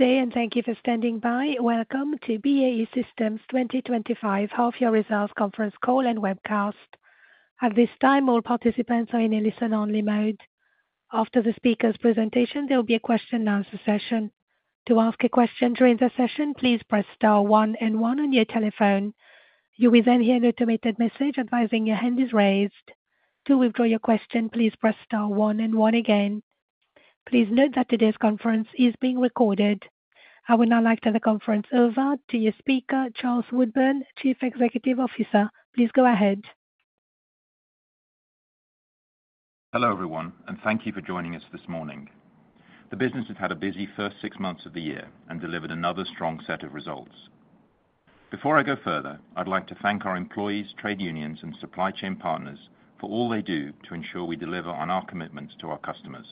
Day and thank you for standing by. Welcome to BAE Systems 2025 Half-Year Results Conference Call and Webcast. At this time, all participants are in a listen-only mode. After the speakers' presentations, there will be a question-and-answer session. To ask a question during the session, please press star one and one on your telephone. You will then hear an automated message advising your hand is raised. To withdraw your question, please press star one and one again. Please note that today's conference is being recorded. I will now like to turn the conference over to your speaker, Charles Woodburn, Chief Executive Officer. Please go ahead. Hello everyone, and thank you for joining us this morning. The business has had a busy first six months of the year and delivered another strong set of results. Before I go further, I'd like to thank our employees, trade unions, and supply chain partners for all they do to ensure we deliver on our commitments to our customers.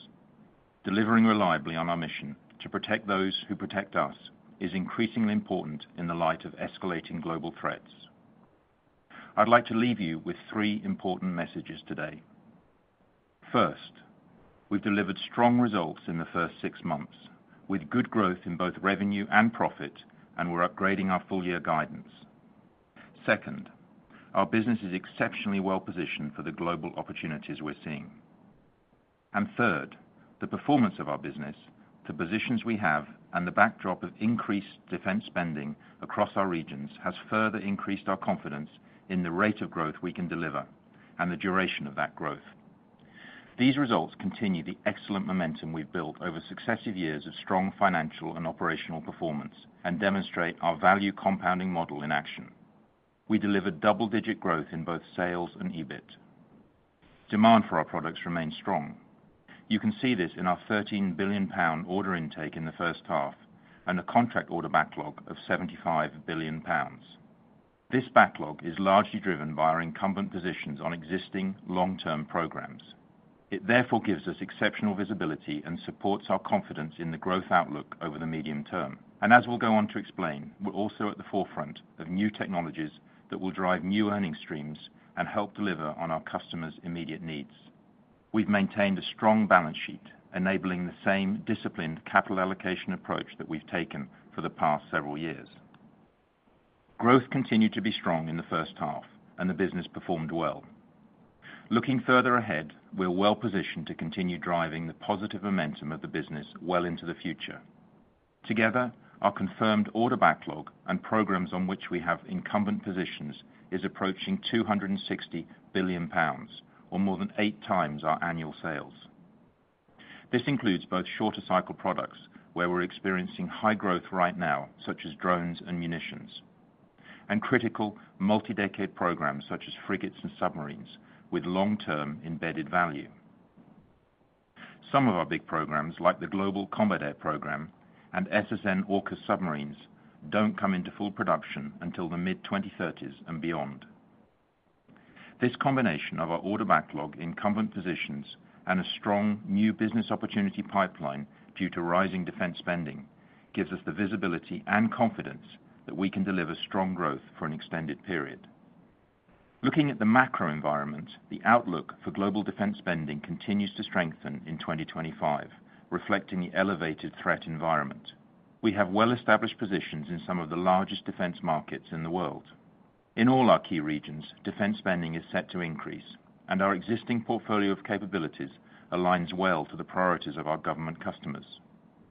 Delivering reliably on our mission to protect those who protect us is increasingly important in the light of escalating global threats. I'd like to leave you with three important messages today. First, we've delivered strong results in the first six months, with good growth in both revenue and profit, and we're upgrading our full-year guidance. Second, our business is exceptionally well-positioned for the global opportunities we're seeing. Third, the performance of our business, the positions we have, and the backdrop of increased defense spending across our regions has further increased our confidence in the rate of growth we can deliver and the duration of that growth. These results continue the excellent momentum we've built over successive years of strong financial and operational performance and demonstrate our value-compounding model in action. We delivered double-digit growth in both sales and EBIT. Demand for our products remains strong. You can see this in our 13 billion pound order intake in the first half and a contract order backlog of 75 billion pounds. This backlog is largely driven by our incumbent positions on existing long-term programs. It therefore gives us exceptional visibility and supports our confidence in the growth outlook over the medium term. As we'll go on to explain, we're also at the forefront of new technologies that will drive new earnings streams and help deliver on our customers' immediate needs. We've maintained a strong balance sheet, enabling the same disciplined capital allocation approach that we've taken for the past several years. Growth continued to be strong in the first half, and the business performed well. Looking further ahead, we're well-positioned to continue driving the positive momentum of the business well into the future. Together, our confirmed order backlog and programs on which we have incumbent positions is approaching 260 billion pounds, or more than eight times our annual sales. This includes both shorter-cycle products where we're experiencing high growth right now, such as drones and munitions, and critical multi-decade programs such as frigates and submarines with long-term embedded value. Some of our big programs, like the Global Combat Air Programme and SSN-AUKUS submarines, don't come into full production until the mid-2030s and beyond. This combination of our order backlog, incumbent positions, and a strong new business opportunity pipeline due to rising defense spending gives us the visibility and confidence that we can deliver strong growth for an extended period. Looking at the macro environment, the outlook for global defense spending continues to strengthen in 2025, reflecting the elevated threat environment. We have well-established positions in some of the largest defense markets in the world. In all our key regions, defense spending is set to increase, and our existing portfolio of capabilities aligns well to the priorities of our government customers.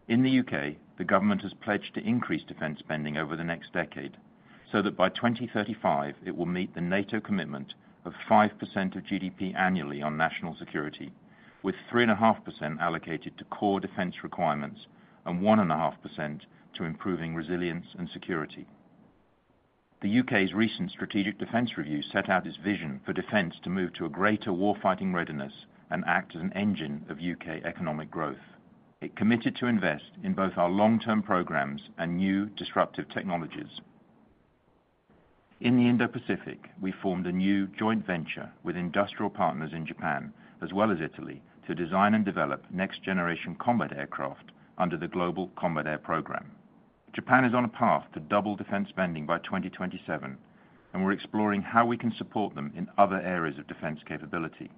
In the U.K., the government has pledged to increase defense spending over the next decade so that by 2035 it will meet the NATO commitment of 5% of GDP annually on national security, with 3.5% allocated to core defense requirements and 1.5% to improving resilience and security. The U.K.'s recent Strategic Defence Review set out its vision for defense to move to a greater warfighting readiness and act as an engine of U.K. economic growth. It committed to invest in both our long-term programs and new disruptive technologies. In the Indo-Pacific, we formed a new joint venture with industrial partners in Japan as well as Italy to design and develop next-generation combat aircraft under the Global Combat Air Programme. Japan is on a path to double defense spending by 2027, and we're exploring how we can support them in other areas of defense capability.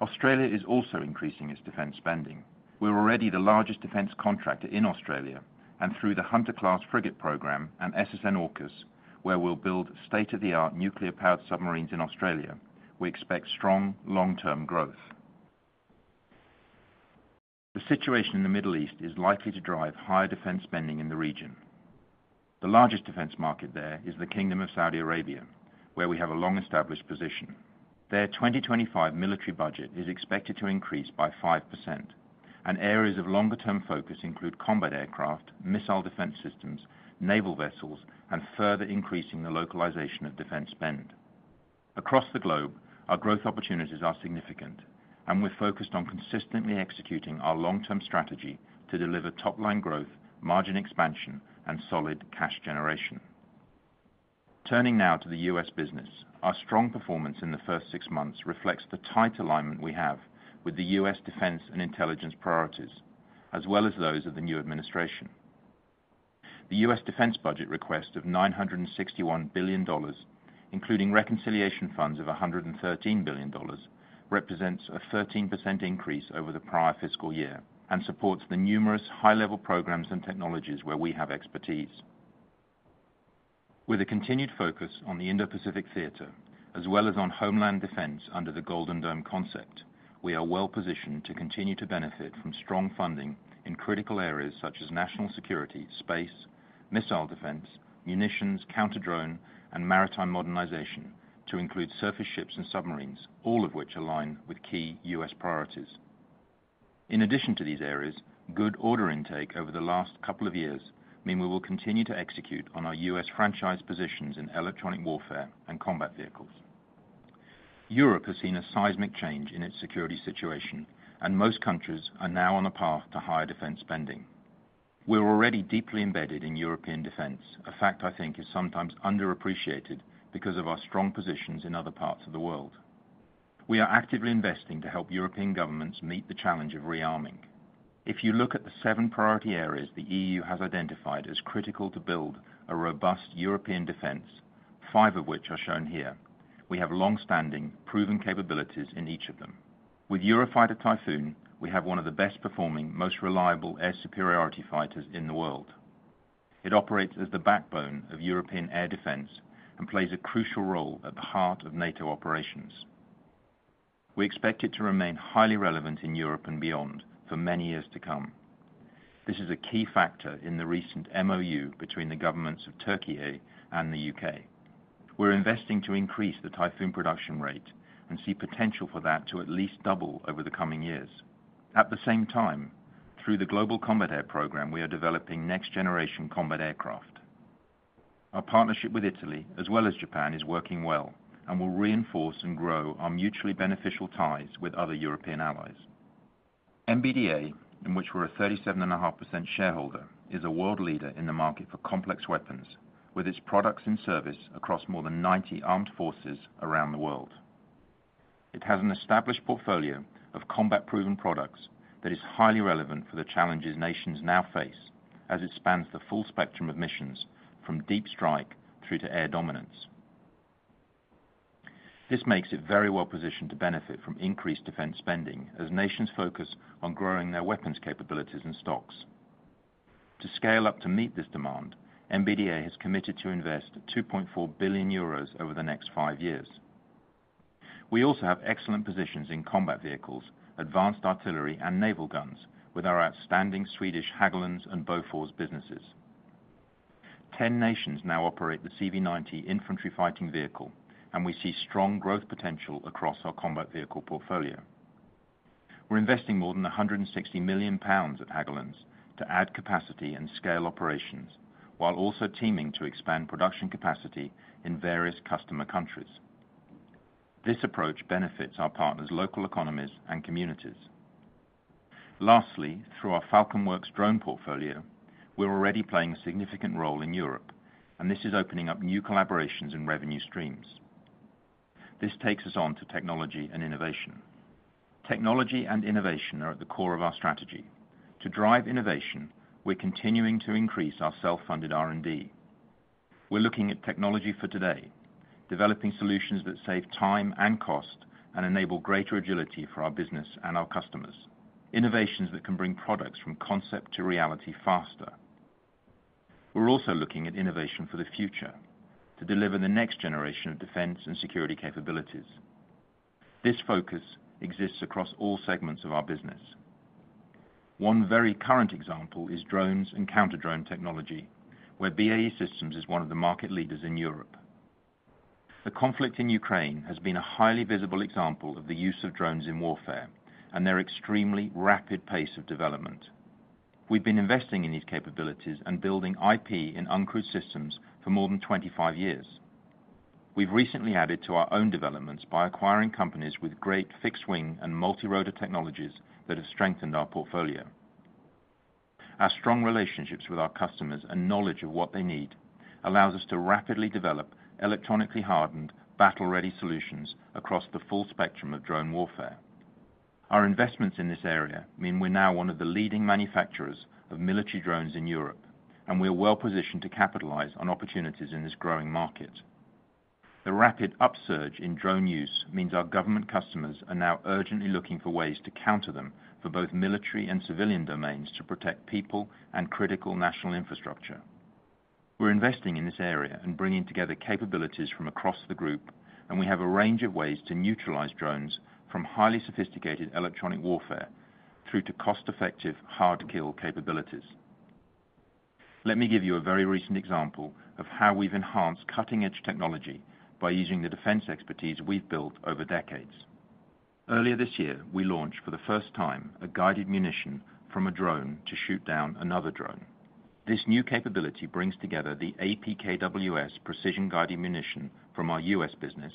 Australia is also increasing its defense spending. We're already the largest defense contractor in Australia, and through the Hunter Class frigate program and SSN-AUKUS, where we'll build state-of-the-art nuclear-powered submarines in Australia, we expect strong long-term growth. The situation in the Middle East is likely to drive higher defense spending in the region. The largest defense market there is the Kingdom of Saudi Arabia, where we have a long-established position. Their 2025 military budget is expected to increase by 5%, and areas of longer-term focus include combat aircraft, missile defense systems, naval vessels, and further increasing the localization of defense spend. Across the globe, our growth opportunities are significant, and we're focused on consistently executing our long-term strategy to deliver top-line growth, margin expansion, and solid cash generation. Turning now to the U.S. business. Our strong performance in the first six months reflects the tight alignment we have with the U.S. defense and intelligence priorities, as well as those of the new administration. The U.S. defense budget request of $961 billion, including reconciliation funds of $113 billion, represents a 13% increase over the prior fiscal year and supports the numerous high-level programs and technologies where we have expertise. With a continued focus on the Indo-Pacific theater, as well as on homeland defense under the Golden Dome concept, we are well-positioned to continue to benefit from strong funding in critical areas such as national security, space, missile defense, munitions, counter-drone, and maritime modernization to include surface ships and submarines, all of which align with key U.S. priorities. In addition to these areas, good order intake over the last couple of years means we will continue to execute on our U.S. franchise positions in electronic warfare and combat vehicles. Europe has seen a seismic change in its security situation, and most countries are now on a path to higher defense spending. We're already deeply embedded in European defense, a fact I think is sometimes underappreciated because of our strong positions in other parts of the world. We are actively investing to help European governments meet the challenge of rearming. If you look at the seven priority areas the E.U. has identified as critical to build a robust European defense, five of which are shown here, we have long-standing, proven capabilities in each of them. With Eurofighter Typhoon, we have one of the best-performing, most reliable air superiority fighters in the world. It operates as the backbone of European air defense and plays a crucial role at the heart of NATO operations. We expect it to remain highly relevant in Europe and beyond for many years to come. This is a key factor in the recent MOU between the governments of Türkiye and the U.K. We're investing to increase the Typhoon production rate and see potential for that to at least double over the coming years. At the same time, through the Global Combat Air Programme, we are developing next-generation combat aircraft. Our partnership with Italy, as well as Japan, is working well and will reinforce and grow our mutually beneficial ties with other European allies. MBDA, in which we're a 37.5% shareholder, is a world leader in the market for complex weapons with its products and service across more than 90 armed forces around the world. It has an established portfolio of combat-proven products that is highly relevant for the challenges nations now face as it spans the full spectrum of missions from deep strike through to air dominance. This makes it very well-positioned to benefit from increased defense spending as nations focus on growing their weapons capabilities and stocks. To scale up to meet this demand, MBDA has committed to invest 2.4 billion euros over the next five years. We also have excellent positions in combat vehicles, advanced artillery, and naval guns with our outstanding Swedish Hägglunds and Bofors businesses. Ten nations now operate the CV90 infantry fighting vehicle, and we see strong growth potential across our combat vehicle portfolio. We're investing more than 160 million pounds at Hägglunds to add capacity and scale operations, while also teaming to expand production capacity in various customer countries. This approach benefits our partners' local economies and communities. Lastly, through our FalconWorks drone portfolio, we're already playing a significant role in Europe, and this is opening up new collaborations and revenue streams. This takes us on to technology and innovation. Technology and innovation are at the core of our strategy. To drive innovation, we're continuing to increase our self-funded R&D. We're looking at technology for today, developing solutions that save time and cost and enable greater agility for our business and our customers, innovations that can bring products from concept to reality faster. We're also looking at innovation for the future to deliver the next generation of defense and security capabilities. This focus exists across all segments of our business. One very current example is drones and counter-drone technology, where BAE Systems is one of the market leaders in Europe. The conflict in Ukraine has been a highly visible example of the use of drones in warfare and their extremely rapid pace of development. We've been investing in these capabilities and building IP in uncrewed systems for more than 25 years. We've recently added to our own developments by acquiring companies with great fixed-wing and multi-rotor technologies that have strengthened our portfolio. Our strong relationships with our customers and knowledge of what they need allow us to rapidly develop electronically hardened, battle-ready solutions across the full spectrum of drone warfare. Our investments in this area mean we're now one of the leading manufacturers of military drones in Europe, and we're well-positioned to capitalize on opportunities in this growing market. The rapid upsurge in drone use means our government customers are now urgently looking for ways to counter them for both military and civilian domains to protect people and critical national infrastructure. We're investing in this area and bringing together capabilities from across the group, and we have a range of ways to neutralize drones from highly sophisticated electronic warfare through to cost-effective hard-kill capabilities. Let me give you a very recent example of how we've enhanced cutting-edge technology by using the defense expertise we've built over decades. Earlier this year, we launched for the first time a guided munition from a drone to shoot down another drone. This new capability brings together the APKWS precision-guided munition from our U.S. business,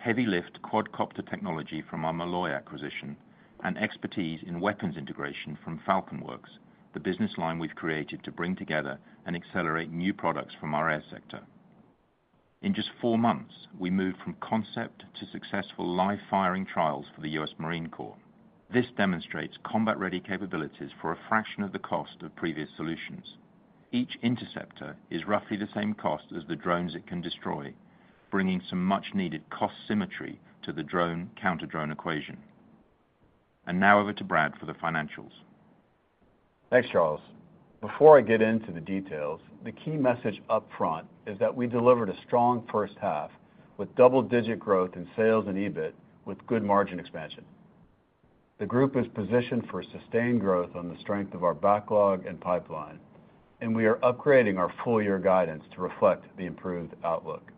heavy-lift quadcopter technology from our Malloy acquisition, and expertise in weapons integration from FalconWorks, the business line we've created to bring together and accelerate new products from our air sector. In just four months, we moved from concept to successful live-firing trials for the U.S. Marine Corps. This demonstrates combat-ready capabilities for a fraction of the cost of previous solutions. Each interceptor is roughly the same cost as the drones it can destroy, bringing some much-needed cost symmetry to the drone-counter-drone equation. Now over to Brad for the financials. Thanks, Charles. Before I get into the details, the key message upfront is that we delivered a strong first half with double-digit growth in sales and EBIT, with good margin expansion. The group is positioned for sustained growth on the strength of our backlog and pipeline, and we are upgrading our full-year guidance to reflect the improved outlook.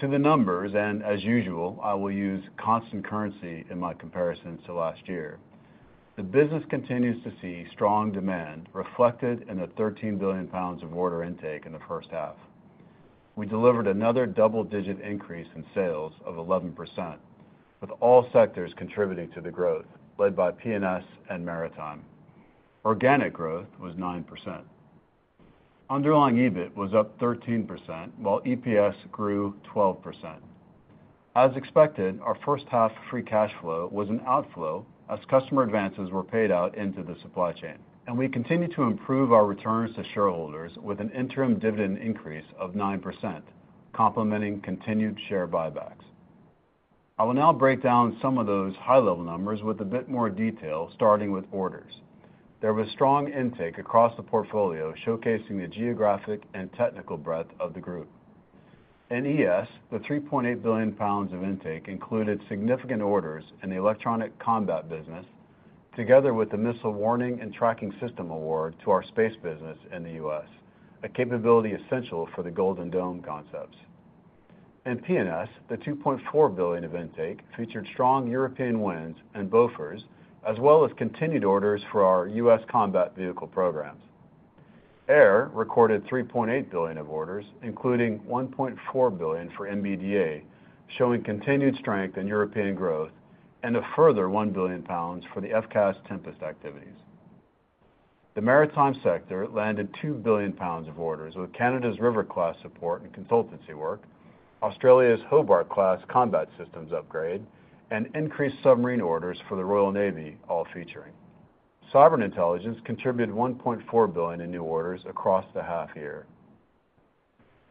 To the numbers, and as usual, I will use constant currency in my comparison to last year. The business continues to see strong demand reflected in the 13 billion pounds of order intake in the first half. We delivered another double-digit increase in sales of 11%, with all sectors contributing to the growth, led by P&S and maritime. Organic growth was 9%. Underlying EBIT was up 13%, while EPS grew 12%. As expected, our first half free cash flow was an outflow as customer advances were paid out into the supply chain, and we continue to improve our returns to shareholders with an interim dividend increase of 9%, complementing continued share buybacks. I will now break down some of those high-level numbers with a bit more detail, starting with orders. There was strong intake across the portfolio, showcasing the geographic and technical breadth of the group. In ES, the 3.8 billion pounds of intake included significant orders in the electronic combat business. Together with the missile warning and tracking system award to our space business in the U.S., a capability essential for the Golden Dome concepts. In P&S, the 2.4 billion of intake featured strong European wins and Bofors, as well as continued orders for our U.S. combat vehicle programs. Air recorded 3.8 billion of orders, including 1.4 billion for MBDA, showing continued strength in European growth and a further 1 billion pounds for the FCAS Tempest activities. The maritime sector landed 2 billion pounds of orders with Canada's River class support and consultancy work, Australia's Hobart Class combat systems upgrade, and increased submarine orders for the Royal Navy, all featuring. Sovereign intelligence contributed 1.4 billion in new orders across the half year.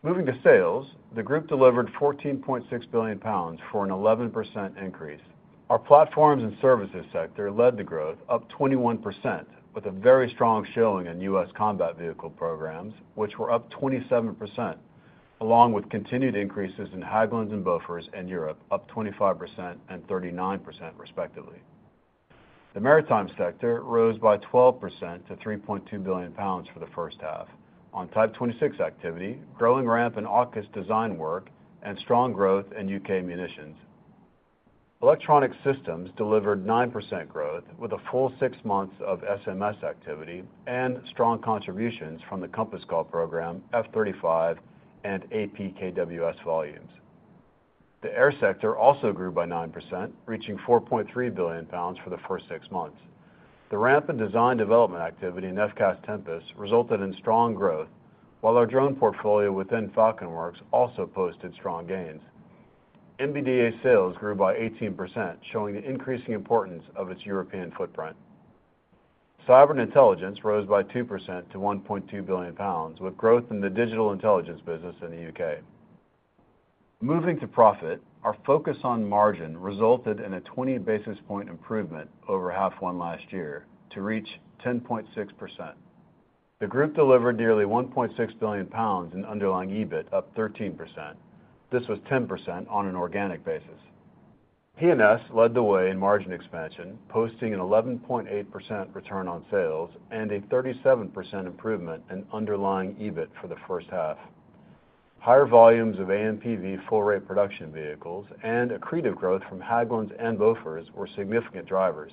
Moving to sales, the group delivered 14.6 billion pounds for an 11% increase. Our Platforms & Services sector led the growth, up 21%, with a very strong showing in U.S. combat vehicle programs, which were up 27%, along with continued increases in Hägglunds and Bofors in Europe, up 25% and 39%, respectively. The maritime sector rose by 12% to 3.2 billion pounds for the first half. On Type 26 activity, growing ramp in AUKUS design work, and strong growth in U.K. munitions. Electronic systems delivered 9% growth with a full six months of SMS activity and strong contributions from the Compass Call program, F-35, and APKWS volumes. The air sector also grew by 9%, reaching 4.3 billion pounds for the first six months. The ramp in design development activity in FCAS Tempest resulted in strong growth, while our drone portfolio within FalconWorks also posted strong gains. MBDA sales grew by 18%, showing the increasing importance of its European footprint. Sovereign intelligence rose by 2% to 1.2 billion pounds, with growth in the Digital Intelligence business in the U.K. Moving to profit, our focus on margin resulted in a 20 basis point improvement over half one last year to reach 10.6%. The group delivered nearly 1.6 billion pounds in underlying EBIT, up 13%. This was 10% on an organic basis. P&S led the way in margin expansion, posting an 11.8% return on sales and a 37% improvement in underlying EBIT for the first half. Higher volumes of AMPV full-rate production vehicles and accretive growth from Hägglunds and Bofors were significant drivers.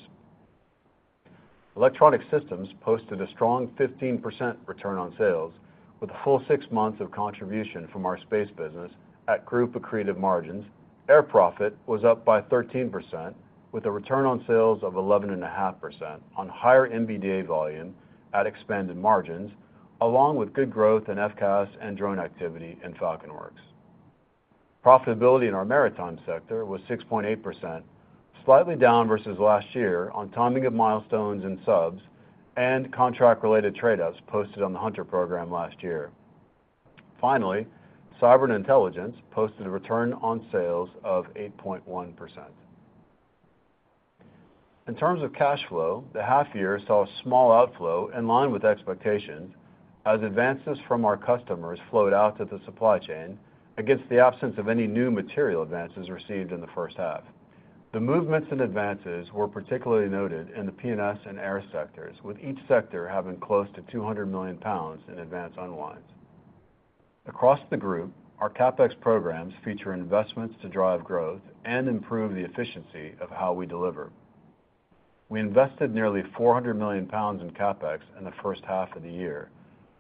Electronic systems posted a strong 15% return on sales. With a full six months of contribution from our space business at group accretive margins, air profit was up by 13%, with a return on sales of 11.5% on higher MBDA volume at expanded margins, along with good growth in FCAS and drone activity in FalconWorks. Profitability in our maritime sector was 6.8%, slightly down versus last year on timing of milestones and subs and contract-related trade-offs posted on the Hunter program last year. Finally, sovereign intelligence posted a return on sales of 8.1%. In terms of cash flow, the half year saw a small outflow in line with expectations as advances from our customers flowed out to the supply chain against the absence of any new material advances received in the first half. The movements and advances were particularly noted in the P&S and air sectors, with each sector having close to 200 million pounds in advance unwinds. Across the group, our CapEx programs feature investments to drive growth and improve the efficiency of how we deliver. We invested nearly 400 million pounds in CapEx in the first half of the year,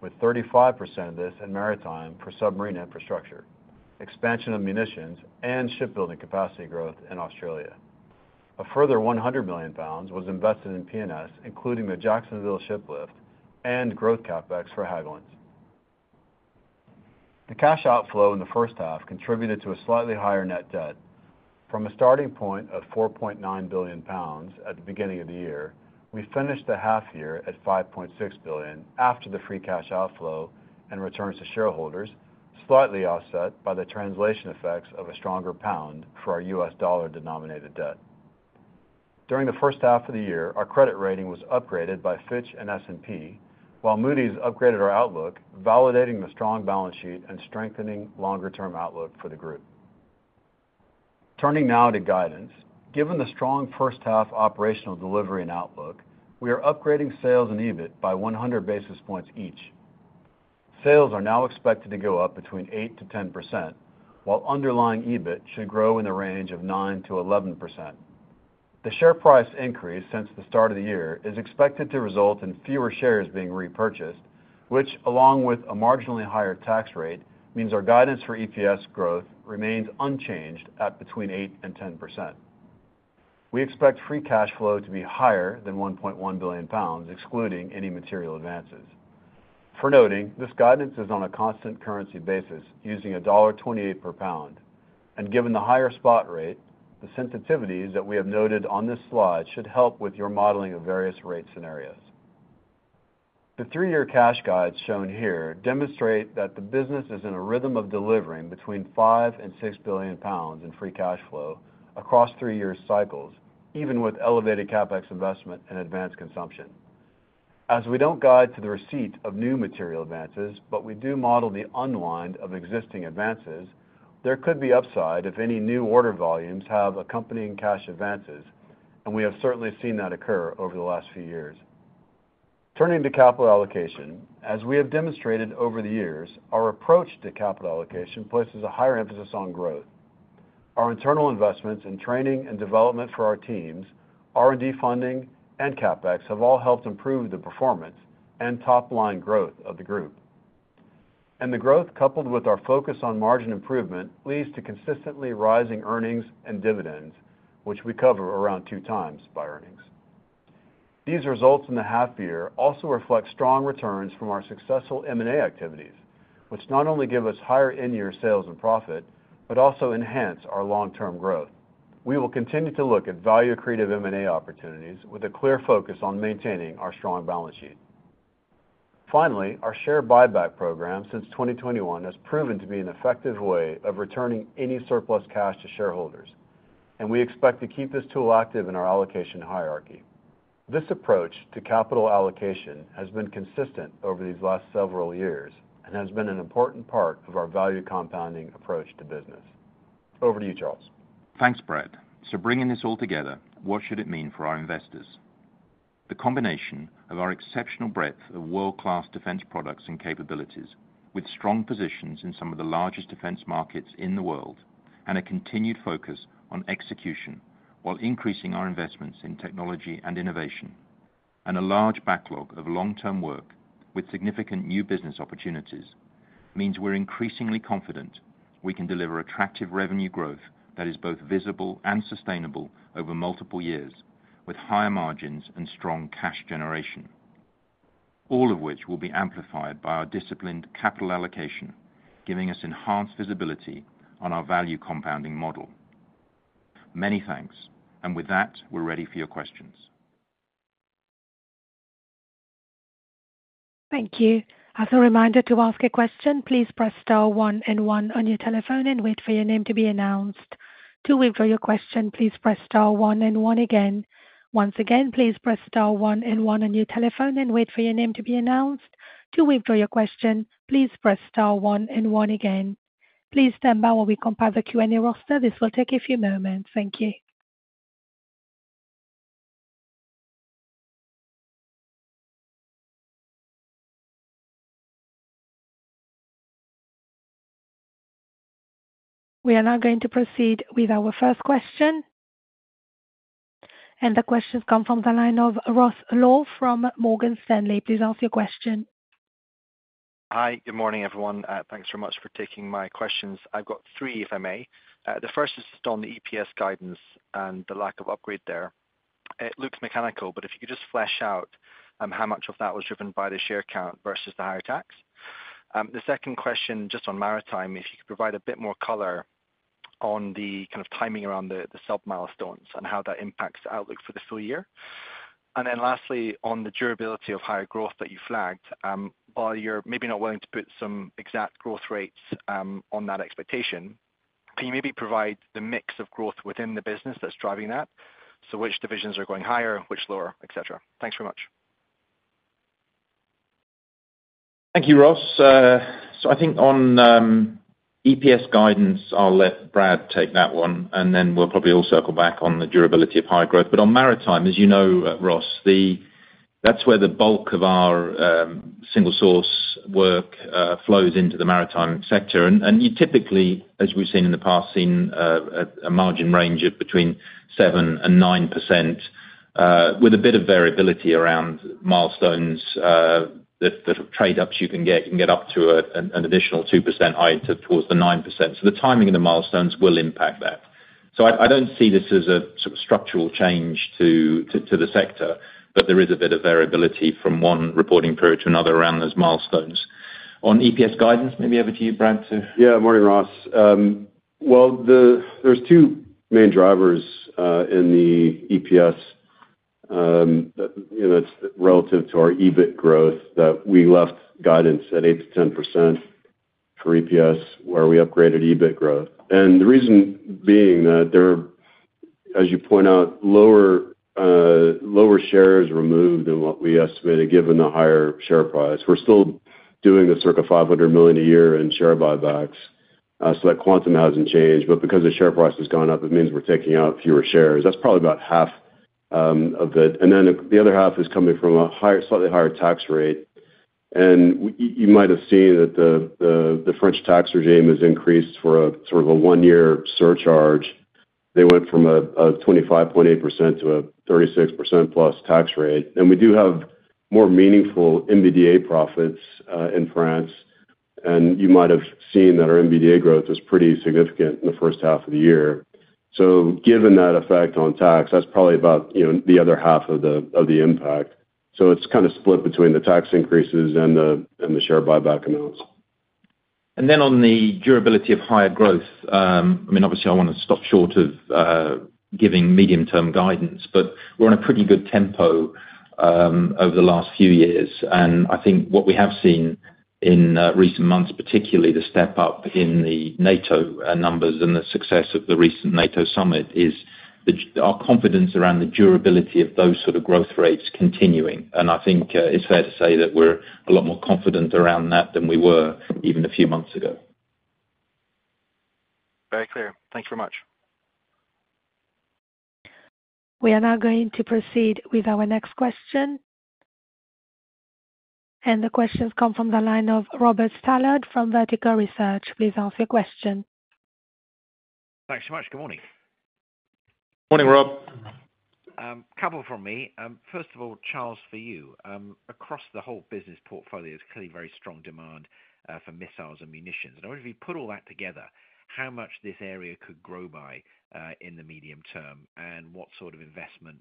with 35% of this in maritime for submarine infrastructure, expansion of munitions, and shipbuilding capacity growth in Australia. A further 100 million pounds was invested in P&S, including the Jacksonville shiplift and growth CapEx for Hägglunds. The cash outflow in the first half contributed to a slightly higher net debt. From a starting point of 4.9 billion pounds at the beginning of the year, we finished the half year at 5.6 billion after the free cash outflow and returns to shareholders, slightly offset by the translation effects of a stronger pound for our U.S. dollar-denominated debt. During the first half of the year, our credit rating was upgraded by Fitch and S&P, while Moody's upgraded our outlook, validating the strong balance sheet and strengthening longer-term outlook for the group. Turning now to guidance. Given the strong first half operational delivery and outlook, we are upgrading sales and EBIT by 100 basis points each. Sales are now expected to go up between 8%-10%, while underlying EBIT should grow in the range of 9%-11%. The share price increase since the start of the year is expected to result in fewer shares being repurchased, which, along with a marginally higher tax rate, means our guidance for EPS growth remains unchanged at between 8% and 10%. We expect free cash flow to be higher than 1.1 billion pounds, excluding any material advances. For noting, this guidance is on a constant currency basis, using a $1.28 per pound. Given the higher spot rate, the sensitivities that we have noted on this slide should help with your modeling of various rate scenarios. The three-year cash guides shown here demonstrate that the business is in a rhythm of delivering between 5 billion and 6 billion pounds in free cash flow across three-year cycles, even with elevated CapEx investment and advance consumption. As we do not guide to the receipt of new material advances, but we do model the unwind of existing advances, there could be upside if any new order volumes have accompanying cash advances, and we have certainly seen that occur over the last few years. Turning to capital allocation. As we have demonstrated over the years, our approach to capital allocation places a higher emphasis on growth. Our internal investments in training and development for our teams, R&D funding, and CapEx have all helped improve the performance and top-line growth of the group. The growth, coupled with our focus on margin improvement, leads to consistently rising earnings and dividends, which we cover around two times by earnings. These results in the half year also reflect strong returns from our successful M&A activities, which not only give us higher in-year sales and profit, but also enhance our long-term growth. We will continue to look at value-creative M&A opportunities with a clear focus on maintaining our strong balance sheet. Finally, our share buyback program since 2021 has proven to be an effective way of returning any surplus cash to shareholders, and we expect to keep this tool active in our allocation hierarchy. This approach to capital allocation has been consistent over these last several years and has been an important part of our value compounding approach to business. Over to you, Charles. Thanks, Brad. Bringing this all together, what should it mean for our investors? The combination of our exceptional breadth of world-class defense products and capabilities, with strong positions in some of the largest defense markets in the world, and a continued focus on execution while increasing our investments in technology and innovation, and a large backlog of long-term work with significant new business opportunities, means we're increasingly confident we can deliver attractive revenue growth that is both visible and sustainable over multiple years, with higher margins and strong cash generation. All of which will be amplified by our disciplined capital allocation, giving us enhanced visibility on our value compounding model. Many thanks, and with that, we're ready for your questions. Thank you. As a reminder to ask a question, please press star one and one on your telephone and wait for your name to be announced. To withdraw your question, please press star one and one again. Once again, please press star one and one on your telephone and wait for your name to be announced. To withdraw your question, please press star one and one again. Please stand by while we compile the Q&A roster. This will take a few moments. Thank you. We are now going to proceed with our first question. The questions come from the line of Ross Law from Morgan Stanley. Please ask your question. Hi, good morning, everyone. Thanks very much for taking my questions. I've got three, if I may. The first is just on the EPS guidance and the lack of upgrade there. It looks mechanical, but if you could just flesh out how much of that was driven by the share count versus the higher tax? The second question. Just on maritime, if you could provide more color on the kind of timing around the sub-milestones and how that impacts the outlook for the full year? And then lastly, on the durability of higher growth that you flagged, while you're maybe not willing to put some exact growth rates on that expectation, can you maybe provide the mix of growth within the business that's driving that? So which divisions are going higher, which lower, etc.? Thanks very much. Thank you, Ross. I think on EPS guidance, I'll let Brad take that one, and then we'll probably all circle back on the durability of higher growth. On maritime, as you know, Ross, that's where the bulk of our single-source work flows into the maritime sector. You typically, as we've seen in the past, see a margin range of between 7%-9%, with a bit of variability around milestones. The trade-offs you can get, you can get up to an additional 2% height towards the 9%. The timing of the milestones will impact that. I don't see this as a sort of structural change to the sector, but there is a bit of variability from one reporting period to another around those milestones. On EPS guidance, maybe over to you, Brad, too. Yeah, morning, Ross. There are two main drivers in the EPS. That's relative to our EBIT growth that we left guidance at 8%-10%, for EPS, where we upgraded EBIT growth. The reason being that there are, as you point out, lower shares removed than what we estimated given the higher share price. We're still doing the circa $500 million a year in share buybacks, so that quantum hasn't changed. Because the share price has gone up, it means we're taking out fewer shares. That's probably about half of it. The other half is coming from a slightly higher tax rate. You might have seen that the French tax regime has increased for a sort of a one-year surcharge. They went from a 25.8% to a 36%+ tax rate. We do have more meaningful MBDA profits in France. You might have seen that our MBDA growth was pretty significant in the first half of the year. Given that effect on tax, that's probably about the other half of the impact. It's kind of split between the tax increases and the share buyback amounts. On the durability of higher growth, I mean, obviously, I want to stop short of giving medium-term guidance, but we're on a pretty good tempo over the last few years. I think what we have seen in recent months, particularly the step up in the NATO numbers and the success of the recent NATO summit, is our confidence around the durability of those sort of growth rates continuing. I think it's fair to say that we're a lot more confident around that than we were even a few months ago. Very clear. Thanks very much. We are now going to proceed with our next question. The questions come from the line of Robert Stallard from Vertical Research. Please ask your question. Thanks so much. Good morning. Morning, Rob. Couple from me. First of all, Charles, for you, across the whole business portfolio, there's clearly very strong demand for missiles and munitions. I wonder if you put all that together, how much this area could grow by in the medium term and what sort of investment,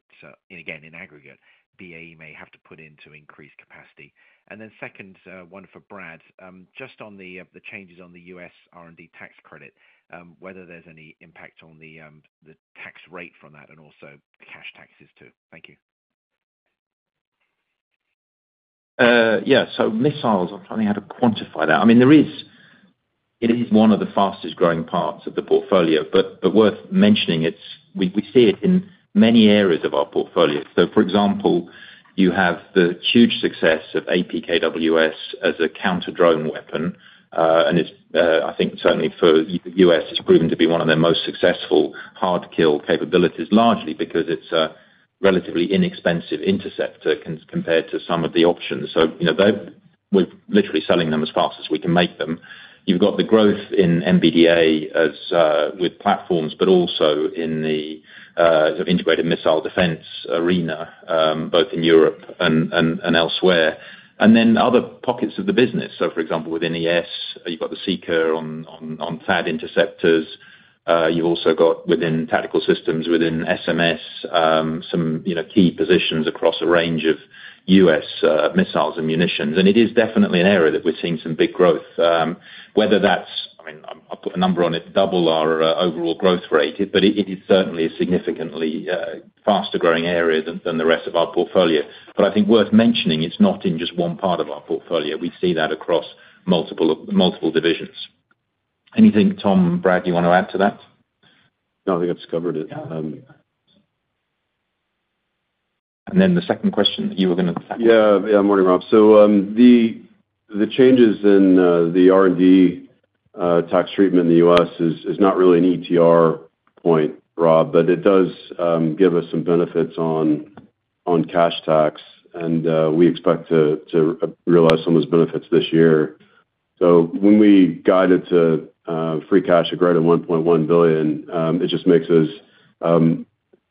again, in aggregate, BAE may have to put in to increase capacity. Then second one for Brad, just on the changes on the U.S. R&D tax credit, whether there's any impact on the tax rate from that and also cash taxes to? Thank you. Yeah, so missiles, I'm trying to quantify that. I mean, it is one of the fastest-growing parts of the portfolio, but worth mentioning, we see it in many areas of our portfolio. For example, you have the huge success of APKWS as a counter-drone weapon. I think certainly for the U.S., it's proven to be one of their most successful hard-kill capabilities, largely because it's a relatively inexpensive interceptor compared to some of the options. We're literally selling them as fast as we can make them. You've got the growth in MBDA with platforms, but also in the integrated missile defense arena, both in Europe and elsewhere. Then other pockets of the business. For example, within ES, you've got the seeker on THAAD interceptors. You've also got within tactical systems, within SMS, some key positions across a range of U.S. missiles and munitions. It is definitely an area that we're seeing some big growth. Whether that's, I mean, I'll put a number on it, double our overall growth rate, but it is certainly a significantly faster-growing area than the rest of our portfolio. I think worth mentioning, it's not in just one part of our portfolio. We see that across multiple divisions. Anything, Tom, Brad, you want to add to that? No, you've covered it. The second question that you were going to. Yeah, morning, Rob. The changes in the R&D tax treatment in the U.S. is not really an ETR point, Rob, but it does give us some benefits on cash tax, and we expect to realize some of those benefits this year. When we guided to free cash at greater than $1.1 billion, it just makes us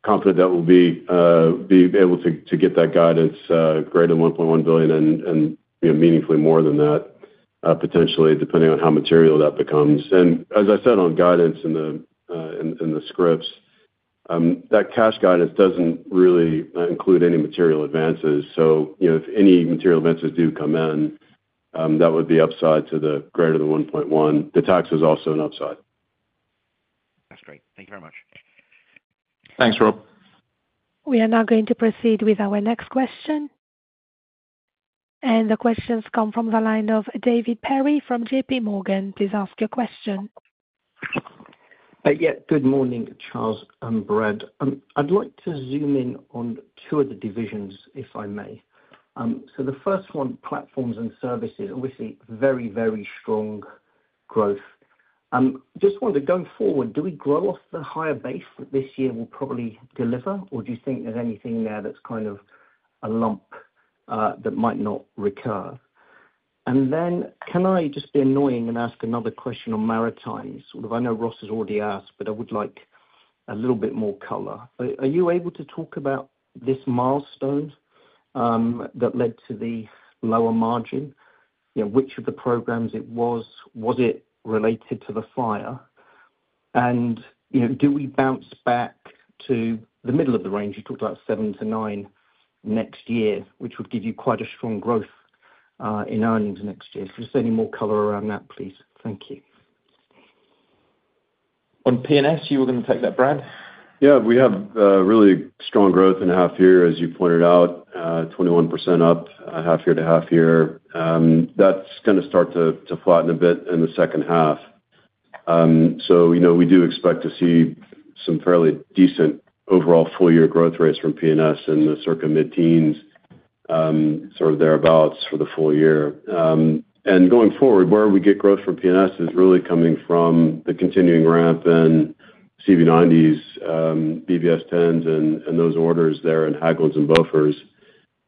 confident that we'll be able to get that guidance greater than $1.1 billion and meaningfully more than that. Potentially, depending on how material that becomes. As I said on guidance and the scripts, that cash guidance doesn't really include any material advances. If any material advances do come in, that would be upside to the greater than $1.1 billion. The tax is also an upside. That's great. Thank you very much. Thanks, Rob. We are now going to proceed with our next question. The questions come from the line of David Perry from JPMorgan. Please ask your question. Yeah, good morning, Charles and Brad. I'd like to zoom in on two of the divisions, if I may. The first one, Platforms & Services, obviously very, very strong growth. Just want to go forward, do we grow off the higher base that this year will probably deliver, or do you think there's anything there that's kind of a lump that might not recur? Can I just be annoying and ask another question on maritimes? I know Ross has already asked, but I would like a little bit more color. Are you able to talk about this milestone that led to the lower margin? Which of the programs it was? Was it related to the fire? Do we bounce back to the middle of the range? You talked about 7%-9% next year, which would give you quite a strong growth in earnings next year. Just any more color around that, please. Thank you. On P&S, you were going to take that, Brad? Yeah, we have really strong growth in half year, as you pointed out, 21% up half year to half year. That's going to start to flatten a bit in the second half. We do expect to see some fairly decent overall full-year growth rates from P&S in the circa mid-teens, sort of thereabouts for the full year. Going forward, where we get growth from P&S is really coming from the continuing ramp in CV90s, BvS10s, and those orders there in Hägglunds and Bofors.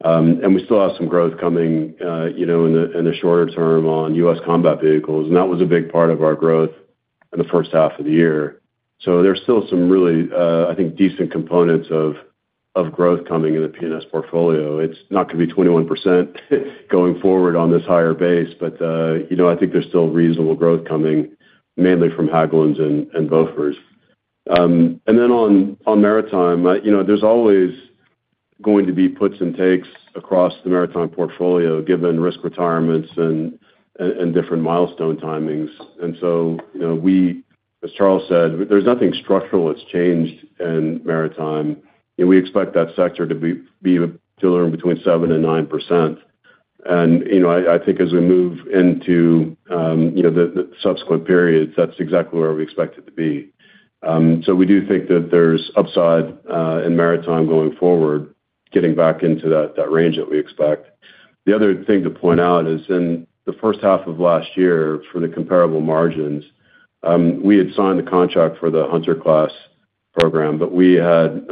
We still have some growth coming in the shorter term on U.S. combat vehicles, and that was a big part of our growth in the first half of the year. There's still some really, I think, decent components of growth coming in the P&S portfolio. It's not going to be 21% going forward on this higher base, but I think there's still reasonable growth coming, mainly from Hägglunds and Bofors. On maritime, there's always going to be puts and takes across the maritime portfolio, given risk retirements and different milestone timings. As Charles said, there's nothing structural that's changed in maritime. We expect that sector to be between 7%-9%. I think as we move into the subsequent periods, that's exactly where we expect it to be. We do think that there's upside in maritime going forward, getting back into that range that we expect. The other thing to point out is in the first half of last year, for the comparable margins, we had signed the contract for the Hunter Class program, but we had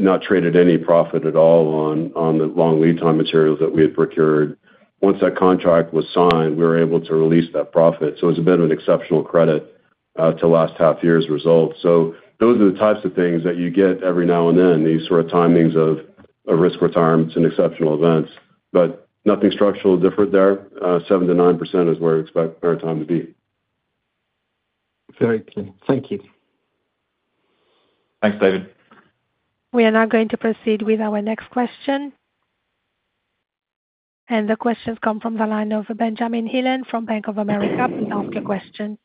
not traded any profit at all on the long lead time materials that we had procured. Once that contract was signed, we were able to release that profit. It was a bit of an exceptional credit to last half year's results. Those are the types of things that you get every now and then, these sort of timings of risk retirements and exceptional events. Nothing structural different there. 7%-9% is where we expect maritime to be. Very clear. Thank you. Thanks, David. We are now going to proceed with our next question. The questions come from the line of Benjamin Heelan from Bank of America. Please ask your question.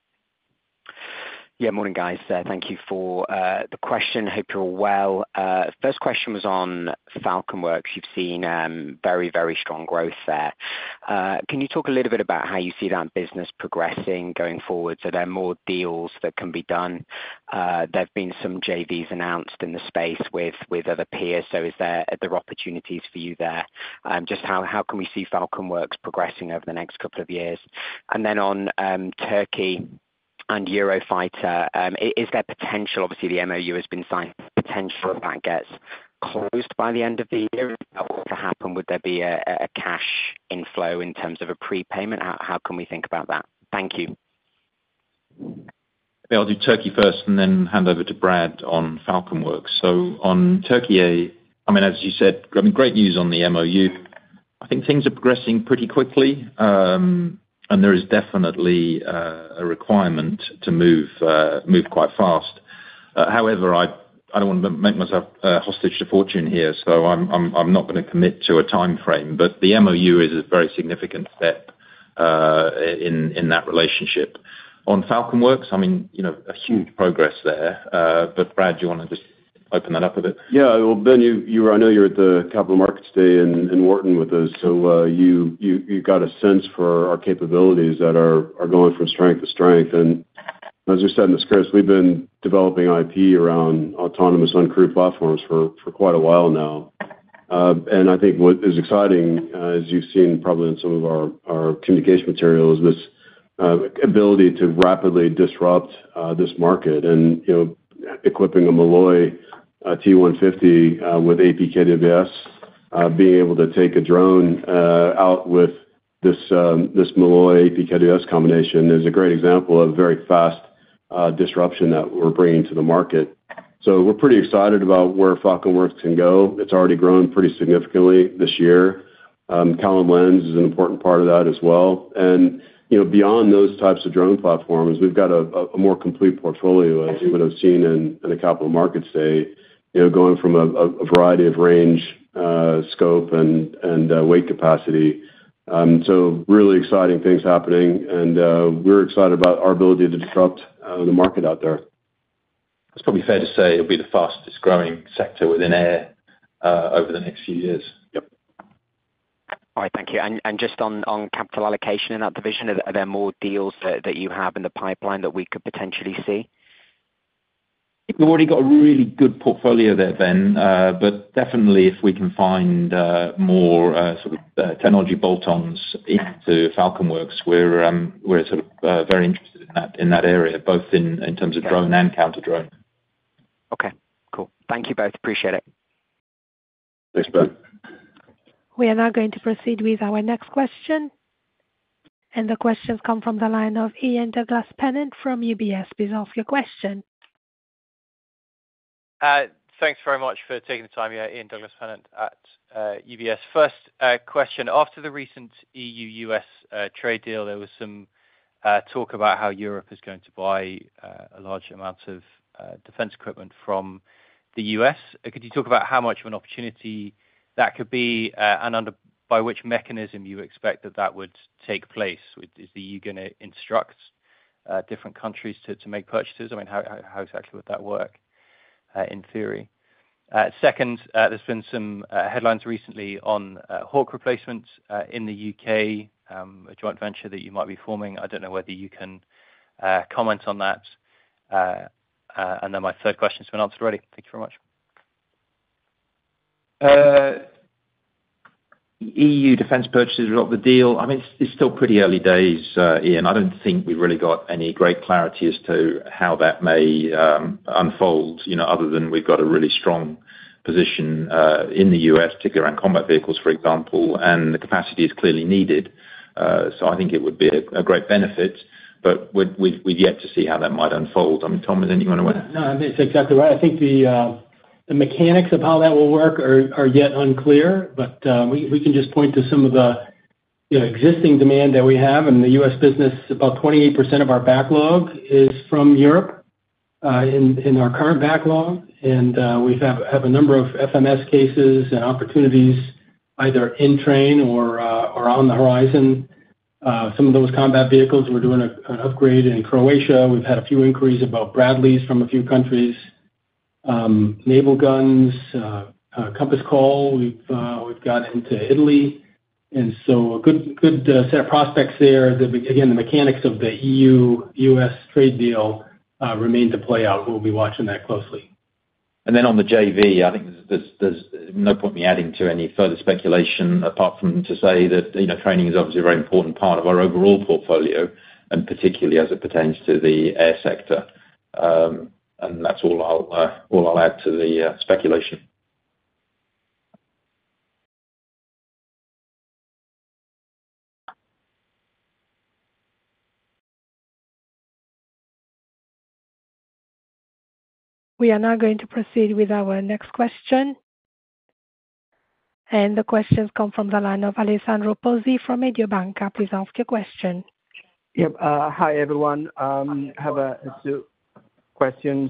Yeah, morning, guys. Thank you for the question. Hope you're well. First question was on FalconWorks. You've seen very, very strong growth there. Can you talk a little bit about how you see that business progressing going forward? Are there more deals that can be done? There've been some JVs announced in the space with other peers. Are there opportunities for you there? Just how can we see FalconWorks progressing over the next couple of years? Then on Türkiye and Eurofighter, is there potential? Obviously, the MOU has been signed. Potential if that gets closed by the end of the year? If that were to happen, would there be a cash inflow in terms of a prepayment? How can we think about that? Thank you. I'll do Türkiye first and then hand over to Brad on FalconWorks. On Türkiye, I mean, as you said, I mean, great news on the MOU. I think things are progressing pretty quickly. There is definitely a requirement to move quite fast. However, I don't want to make myself hostage to fortune here, so I'm not going to commit to a timeframe. The MOU is a very significant step in that relationship. On FalconWorks, I mean, a huge progress there. Brad, do you want to just open that up a bit? Yeah. Ben, I know you were at the Capital Markets Day in Wharton with us. You've got a sense for our capabilities that are going from strength to strength. As we said in the scripts, we've been developing IP around autonomous uncrewed platforms for quite a while now. I think what is exciting, as you've seen probably in some of our communication materials, is this ability to rapidly disrupt this market. Equipping a Malloy T150 with APKWS, being able to take a drone out with this Malloy APKWS combination is a great example of very fast disruption that we're bringing to the market. We're pretty excited about where FalconWorks can go. It's already grown pretty significantly this year. Callen-Lenz is an important part of that as well. Beyond those types of drone platforms, we've got a more complete portfolio, as you would have seen in the Capital Markets Day, going from a variety of range, scope, and weight capacity. Really exciting things happening. We're excited about our ability to disrupt the market out there. It's probably fair to say it'll be the fastest-growing sector within air over the next few years. Yep. All right. Thank you. Just on capital allocation in that division, are there more deals that you have in the pipeline that we could potentially see? We've already got a really good portfolio there, Ben. Definitely, if we can find more sort of technology bolt-ons into FalconWorks, we're sort of very interested in that area, both in terms of drone and counter-drone. Okay. Cool. Thank you both. Appreciate it. Thanks, Ben. We are now going to proceed with our next question. The questions come from the line of Ian Douglas-Pennant from UBS. Please ask your question. Thanks very much for taking the time. Ian Douglas-Pennant at UBS. First question. After the recent E.U.-U.S. trade deal, there was some talk about how Europe is going to buy a large amount of defense equipment from the U.S. Could you talk about how much of an opportunity that could be and under by which mechanism you expect that that would take place? Is the E.U. going to instruct different countries to make purchases? I mean, how exactly would that work in theory? Second, there's been some headlines recently on Hawk replacements in the U.K., a joint venture that you might be forming. I don't know whether you can comment on that. My third question has been answered already. Thank you very much. E.U. defense purchases are of the deal. I mean, it's still pretty early days, Ian. I don't think we've really got any great clarity as to how that may unfold other than we've got a really strong position in the U.S., particularly around combat vehicles, for example, and the capacity is clearly needed. I think it would be a great benefit, but we've yet to see how that might unfold. I mean, Tom, is there anything you want to add? No, I think it's exactly right. I think the mechanics of how that will work are yet unclear, but we can just point to some of the existing demand that we have. In the U.S. business, about 28% of our backlog is from Europe in our current backlog. We have a number of FMS cases and opportunities either in train or on the horizon. Some of those combat vehicles, we're doing an upgrade in Croatia. We've had a few inquiries about Bradleys from a few countries. Naval guns. Compass Call we've got into Italy. A good set of prospects there. Again, the mechanics of the E.U.-U.S. trade deal remain to play out. We'll be watching that closely. On the JV, I think there's no point me adding to any further speculation apart from to say that training is obviously a very important part of our overall portfolio, and particularly as it pertains to the air sector. That's all I'll add to the speculation. We are now going to proceed with our next question. The questions come from the line of Alessandro Pozzi from Mediobanca. Please ask your question. Yep. Hi, everyone. I have a few questions.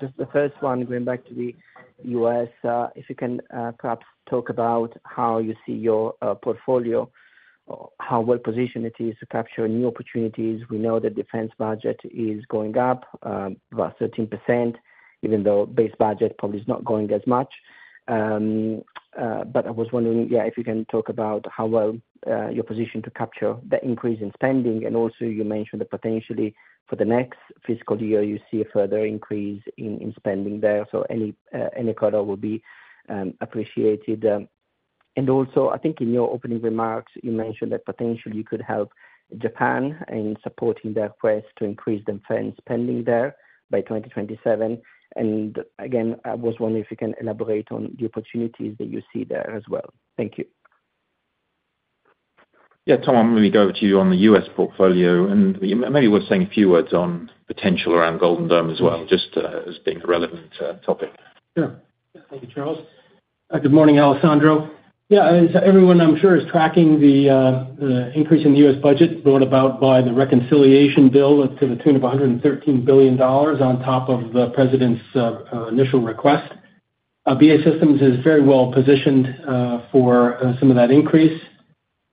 Just the first one, going back to the U.S. If you can perhaps talk about how you see your portfolio? How well-positioned it is to capture new opportunities? We know that defense budget is going up about 13%, even though base budget probably is not going as much. I was wondering, yeah, if you can talk about how well you're positioned to capture the increase in spending. Also, you mentioned that potentially for the next fiscal year, you see a further increase in spending there. Any color will be appreciated. I think in your opening remarks, you mentioned that potentially you could help Japan in supporting their quest to increase defense spending there by 2027. I was wondering if you can elaborate on the opportunities that you see there as well? Thank you. Yeah, Tom, I'm going to go over to you on the U.S. portfolio. Maybe we'll say a few words on potential around Golden Dome as well, just as being a relevant topic. Sure. Thank you, Charles. Good morning, Alessandro. Yeah, as everyone, I'm sure, is tracking the increase in the U.S. budget brought about by the reconciliation bill to the tune of $113 billion on top of the president's initial request. BAE Systems is very well positioned for some of that increase.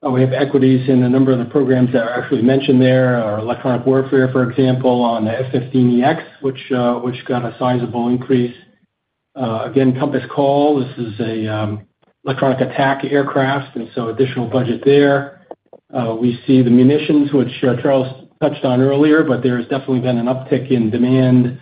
We have equities in a number of the programs that are actually mentioned there, our electronic warfare, for example, on the F-15EX, which got a sizable increase. Again, Compass Call, this is an electronic attack aircraft, and so additional budget there. We see the munitions, which Charles touched on earlier, but there has definitely been an uptick in demand.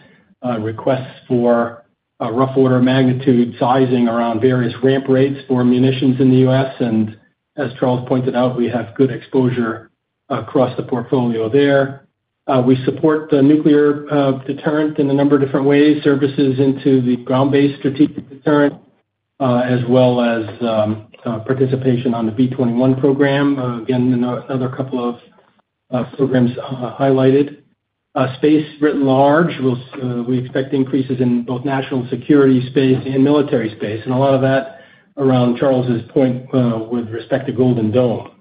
Requests for rough order magnitude sizing around various ramp rates for munitions in the U.S. and as Charles pointed out, we have good exposure across the portfolio there. We support the nuclear deterrent in a number of different ways, services into the ground-based strategic deterrent, as well as participation on the B-21 program, again, another couple of programs highlighted. Space writ large, we expect increases in both national security space and military space. A lot of that, around Charles's point with respect to Golden Dome.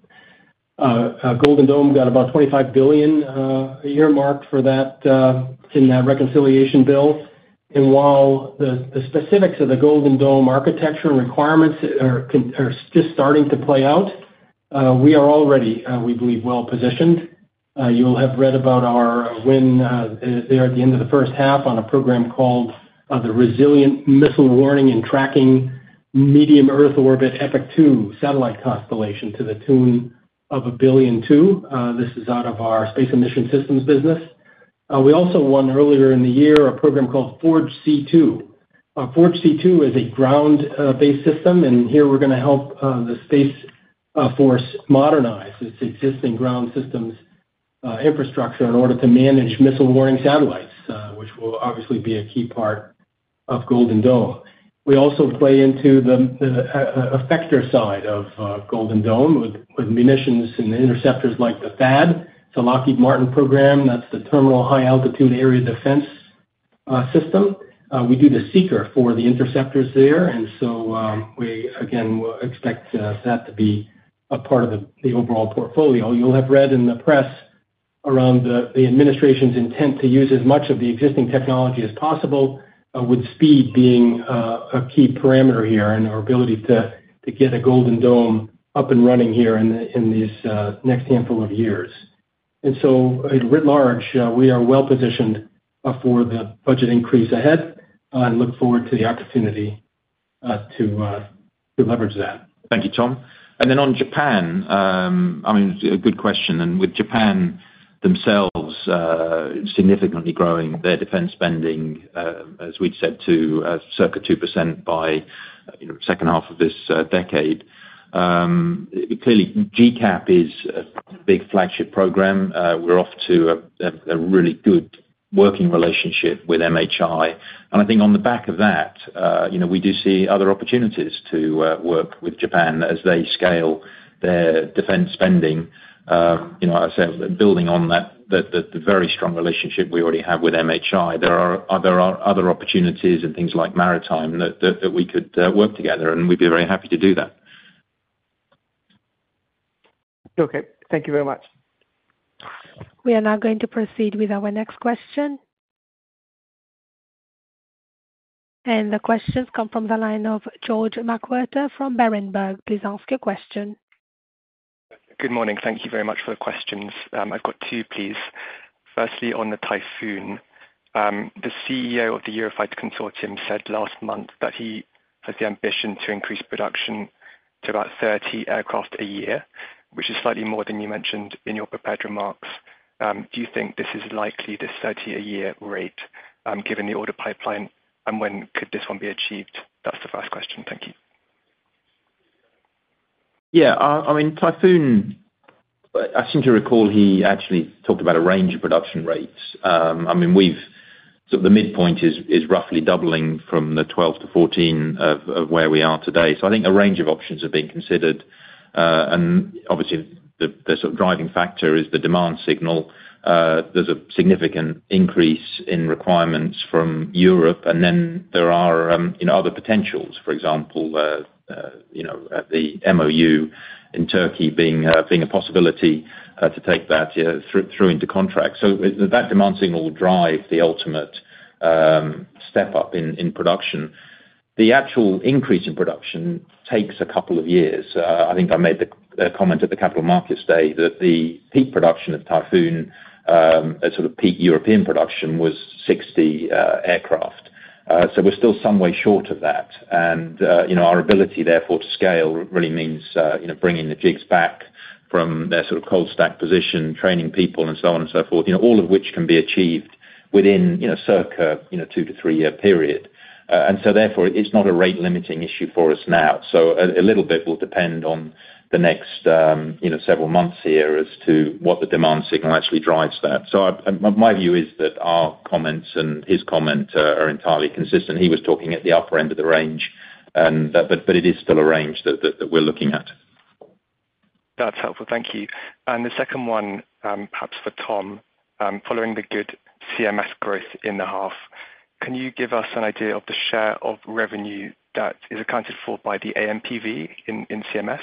Golden Dome got about $25 billion a year marked for that in that reconciliation bill. While the specifics of the Golden Dome architecture and requirements are just starting to play out, we are already, we believe, well-positioned. You'll have read about our win there at the end of the first half on a program called the Resilient Missile Warning and Tracking Medium Earth Orbit Epoch 2 satellite constellation to the tune of $1 billion too. This is out of our space and mission systems business. We also won earlier in the year a program called FORGE C2. FORGE C2 is a ground-based system, and here we're going to help the Space Force modernize its existing ground systems infrastructure in order to manage missile warning satellites, which will obviously be a key part of Golden Dome. We also play into the effector side of Golden Dome with munitions and interceptors like the THAAD, the Lockheed Martin program. That's the Terminal High Altitude Area Defense system. We do the seeker for the interceptors there. We, again, will expect that to be a part of the overall portfolio. You'll have read in the press around the administration's intent to use as much of the existing technology as possible, with speed being a key parameter here and our ability to get a Golden Dome up and running here in these next handful of years. Written large, we are well-positioned for the budget increase ahead and look forward to the opportunity to leverage that. Thank you, Tom. On Japan, a good question. With Japan themselves significantly growing their defense spending, as we said, to circa 2% by the second half of this decade, clearly, GCAP is a big flagship program. We are off to a really good working relationship with MHI. On the back of that, we do see other opportunities to work with Japan as they scale their defense spending. As I said, building on the very strong relationship we already have with MHI, there are other opportunities and things like maritime that we could work together, and we would be very happy to do that. Thank you very much. We are now going to proceed with our next question. The questions come from the line of George McWhirter from Berenberg. Please ask your question. Good morning. Thank you very much for the questions. I have two, please. Firstly, on the Typhoon. The CEO of the Eurofighter consortium said last month that he has the ambition to increase production to about 30 aircraft a year, which is slightly more than you mentioned in your prepared remarks. Do you think this is likely, this 30-a-year rate, given the order pipeline, and when could this one be achieved? That is the first question. Thank you. Yeah. Typhoon, I seem to recall he actually talked about a range of production rates. The midpoint is roughly doubling from the %12-14% of where we are today. A range of options are being considered. The sort of driving factor is the demand signal. There is a significant increase in requirements from Europe. There are other potentials, for example, the MOU in Türkiye being a possibility to take that through into contract. That demand signal will drive the ultimate step up in production. The actual increase in production takes a couple of years. I made the comment at the Capital Markets Day that the peak production of Typhoon, sort of peak European production, was 60 aircraft. We are still some way short of that. Our ability, therefore, to scale really means bringing the jigs back from their sort of cold stack position, training people, and so on and so forth, all of which can be achieved within a circa two to three-year period. Therefore, it is not a rate-limiting issue for us now. A little bit will depend on the next several months here as to what the demand signal actually drives that. My view is that our comments and his comment are entirely consistent. He was talking at the upper end of the range, but it is still a range that we're looking at. That's helpful. Thank you. The second one, perhaps for Tom. Following the good CMS growth in the half, can you give us an idea of the share of revenue that is accounted for by the AMPV in CMS,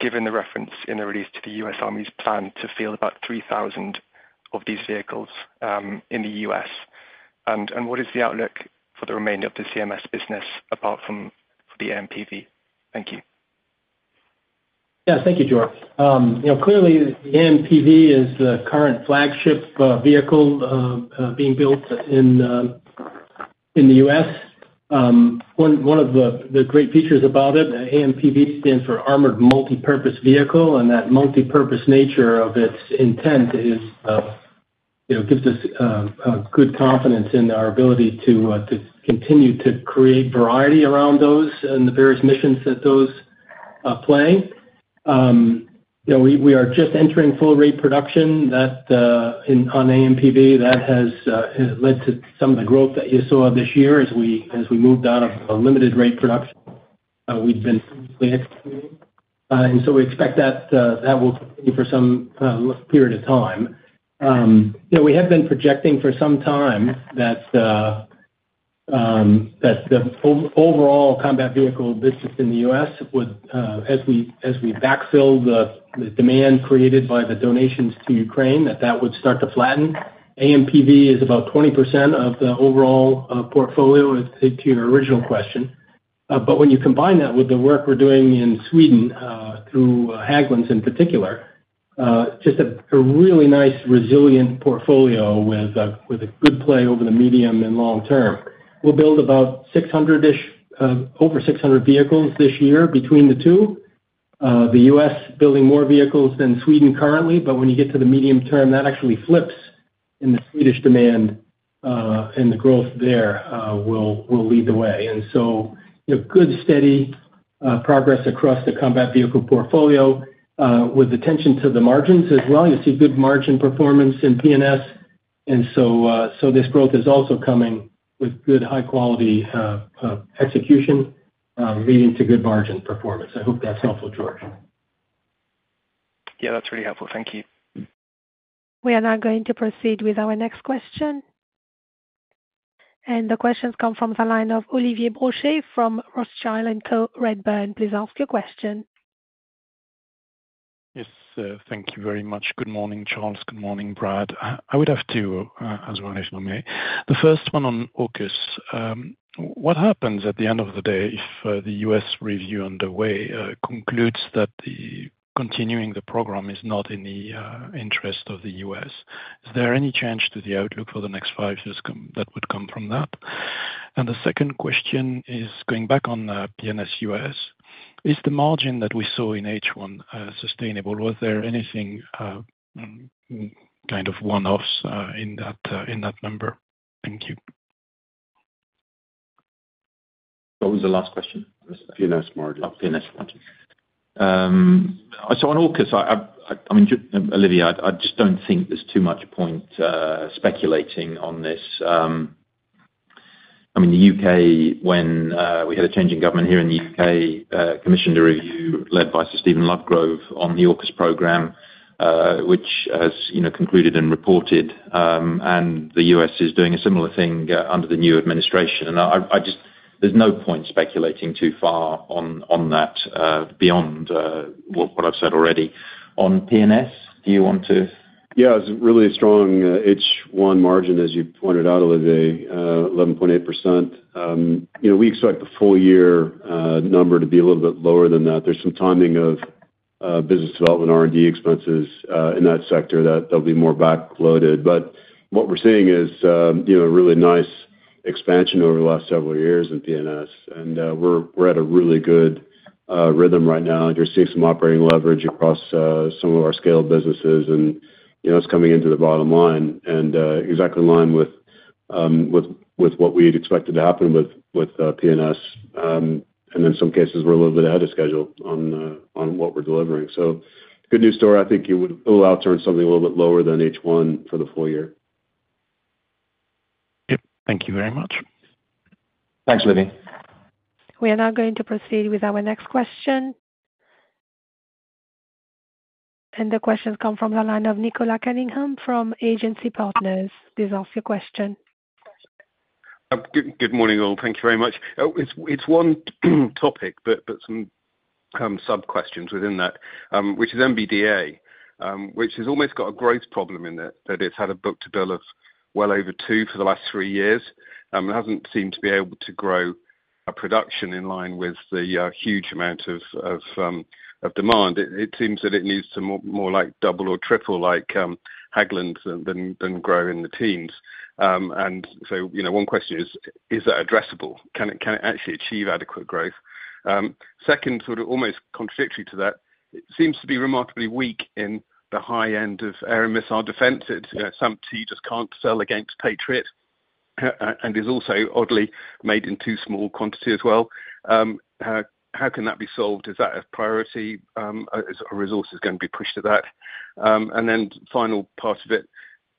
given the reference in the release to the U.S. Army's plan to field about 3,000 of these vehicles in the U.S.? What is the outlook for the remainder of the CMS business apart from the AMPV? Thank you. Yeah. Thank you, George. Clearly, the AMPV is the current flagship vehicle being built in the U.S. One of the great features about it, AMPV stands for Armored Multi-Purpose Vehicle, and that multipurpose nature of its intent gives us good confidence in our ability to continue to create variety around those and the various missions that those play. We are just entering full-rate production on AMPV. That has led to some of the growth that you saw this year as we moved out of a limited-rate production we've been previously executing. We expect that will continue for some period of time. We have been projecting for some time that the overall combat vehicle business in the U.S., as we backfill the demand created by the donations to Ukraine, that that would start to flatten. AMPV is about 20% of the overall portfolio, to your original question. When you combine that with the work we're doing in Sweden through Hägglunds in particular, just a really nice, resilient portfolio with a good play over the medium and long term. We'll build about 600-ish, over 600 vehicles this year between the two. The U.S. building more vehicles than Sweden currently, but when you get to the medium term, that actually flips in the Swedish demand, and the growth there will lead the way. Good, steady progress across the combat vehicle portfolio with attention to the margins as well. You see good margin performance in P&S, and this growth is also coming with good, high-quality execution leading to good margin performance. I hope that's helpful, George. Yeah, that's really helpful. Thank you. We are now going to proceed with our next question. The questions come from the line of Olivier Brochet from Rothschild & Co Redburn. Please ask your question. Yes. Thank you very much. Good morning, Charles. Good morning, Brad. I would have to, as well as you may, the first one on AUKUS. What happens at the end of the day if the U.S. review underway concludes that continuing the program is not in the interest of the U.S.? Is there any change to the outlook for the next five years that would come from that? The second question is going back on P&S U.S. Is the margin that we saw in H1 sustainable? Was there anything kind of one-offs in that number? Thank you. What was the last question? P&S margin. P&S margin. On AUKUS, I mean, Olivier, I just do not think there is too much point speculating on this. I mean, the U.K., when we had a change in government here in the U.K., commissioned a review led by Sir Stephen Lovegrove on the AUKUS program, which has concluded and reported. The U.S. is doing a similar thing under the new administration, and there is no point speculating too far on that beyond what I have said already. On P&S, do you want to? Yeah. It is really a strong H1 margin, as you pointed out, Olivier, 11.8%. We expect the full-year number to be a little bit lower than that. There is some timing of business development R&D expenses in that sector that will be more backloaded. What we are seeing is a really nice expansion over the last several years in P&S, and we are at a really good rhythm right now. You are seeing some operating leverage across some of our scaled businesses, and it is coming into the bottom line and exactly in line with what we had expected to happen with P&S. In some cases, we are a little bit ahead of schedule on what we are delivering. Good news story. I think it will outturn something a little bit lower than H1 for the full year. Yep. Thank you very much. Thanks, Olivier. We are now going to proceed with our next question. The questions come from the line of Nicholas Cunningham from Agency Partners. Please ask your question. Good morning, all. Thank you very much. It is one topic, but some sub-questions within that, which is MBDA, which has almost got a growth problem in it that it has had a book-to-bill of well over two for the last three years. It has not seemed to be able to grow production in line with the huge amount of demand. It seems that it needs to more like double or triple like Hägglunds than grow in the teens. One question is, is that addressable? Can it actually achieve adequate growth? Second, sort of almost contradictory to that, it seems to be remarkably weak in the high end of air and missile defense. It's something you just can't sell against Patriot? Is also, oddly, made in too small quantity as well. How can that be solved? Is that a priority? Are resources going to be pushed to that? And then final part of it,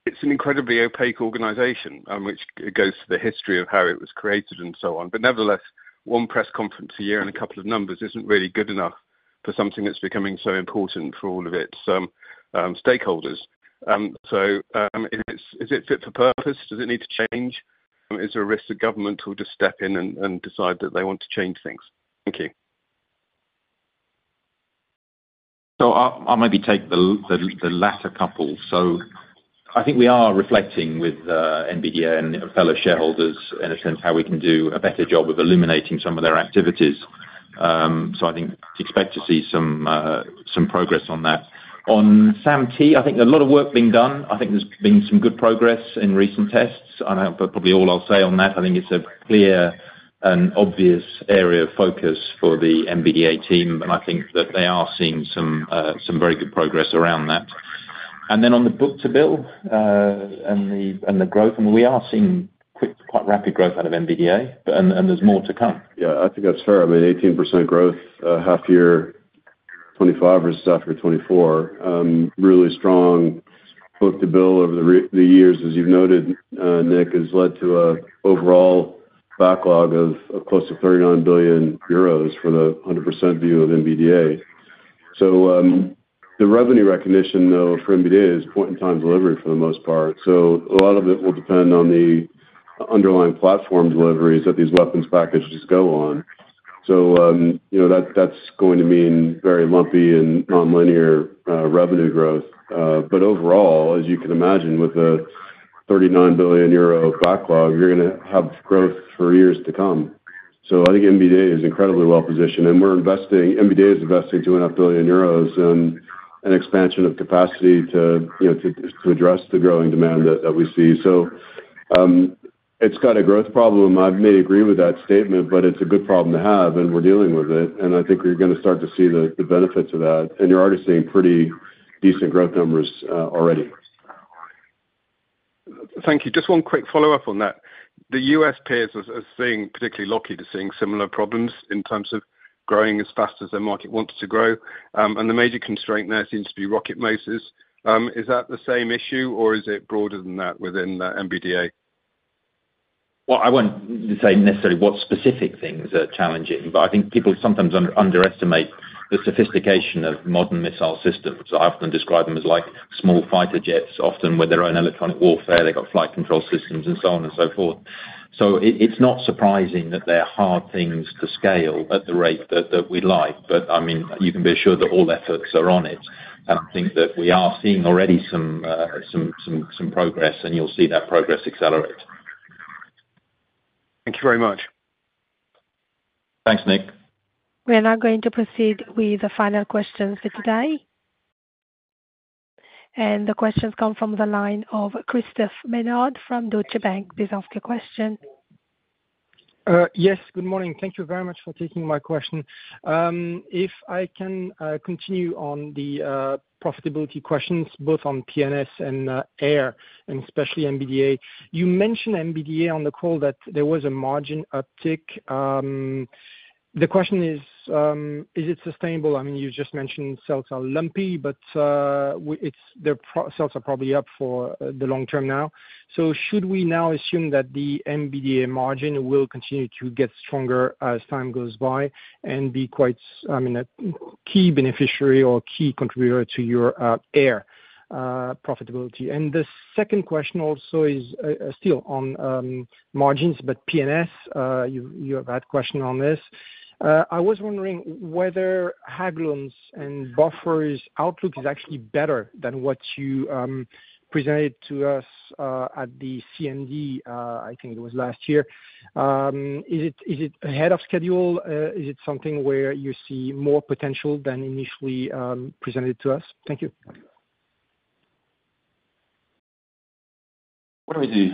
it's an incredibly opaque organization, which goes to the history of how it was created and so on. Nevertheless, one press conference a year and a couple of numbers isn't really good enough for something that's becoming so important for all of its stakeholders. Is it fit for purpose? Does it need to change? Is there a risk that government will just step in and decide that they want to change things? Thank you. I'll maybe take the latter couple. I think we are reflecting with MBDA and fellow shareholders in a sense how we can do a better job of illuminating some of their activities. I think to expect to see some progress on that. On SAMP/T, I think there's a lot of work being done. I think there's been some good progress in recent tests. Probably all I'll say on that, I think it's a clear and obvious area of focus for the MBDA team. I think that they are seeing some very good progress around that. Then on the book-to-bill, and the growth, I mean, we are seeing quite rapid growth out of MBDA, and there's more to come. Yeah. I think that's fair. I mean, 18% growth half-year 2025 versus half-year 2024. Really strong. Book-to-bill over the years, as you've noted, Nick, has led to an overall backlog of close to 39 billion euros for the 100% view of MBDA. The revenue recognition, though, for MBDA is point-in-time delivery for the most part. A lot of it will depend on the underlying platform deliveries that these weapons packages go on. That's going to mean very lumpy and non-linear revenue growth. Overall, as you can imagine, with a 39 billion euro backlog, you're going to have growth for years to come. I think MBDA is incredibly well-positioned. MBDA is investing 2.5 billion euros in an expansion of capacity to address the growing demand that we see. It's got a growth problem. I may agree with that statement, but it's a good problem to have, and we're dealing with it. I think we're going to start to see the benefits of that, and you're already seeing pretty decent growth numbers already. Thank you. Just one quick follow-up on that. The U.S. peers are particularly lucky to seeing similar problems in terms of growing as fast as their market wanted to grow. The major constraint there seems to be rocket motors. Is that the same issue, or is it broader than that within the MBDA? I will not say necessarily what specific things are challenging, but I think people sometimes underestimate the sophistication of modern missile systems. I often describe them as small fighter jets, often with their own electronic warfare. They have got flight control systems and so on and so forth. It is not surprising that they are hard things to scale at the rate that we would like. You can be assured that all efforts are on it. I think that we are seeing already some progress, and you will see that progress accelerate. Thank you very much. Thanks, Nick. We are now going to proceed with the final questions for today. The questions come from the line of Christophe Menard from Deutsche Bank. Please ask your question. Yes. Good morning. Thank you very much for taking my question. If I can continue on the profitability questions, both on P&S and air, and especially MBDA. You mentioned MBDA on the call that there was a margin uptick. The question is, is it sustainable? I mean, you just mentioned sales are lumpy, but their sales are probably up for the long term now. Should we now assume that the MBDA margin will continue to get stronger as time goes by and be quite, I mean, a key beneficiary or key contributor to your air profitability? The second question also is still on margins, but P&S, you have had a question on this. I was wondering whether Hägglunds and Bofors outlook is actually better than what you presented to us at the CMD, I think it was last year. Is it ahead of schedule? Is it something where you see more potential than initially presented to us? Thank you. What if we do